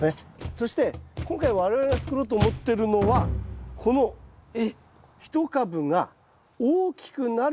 そして今回我々が作ろうと思ってるのはこの一株が大きくなるミズナです。